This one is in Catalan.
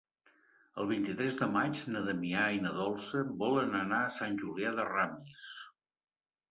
El vint-i-tres de maig na Damià i na Dolça volen anar a Sant Julià de Ramis.